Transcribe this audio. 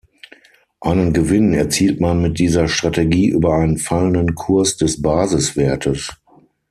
Einen Gewinn erzielt man mit dieser Strategie über einen fallenden Kurs des Basiswertes.